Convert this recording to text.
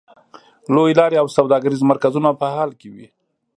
لویې لارې او سوداګریز مرکزونه په حال کې وې.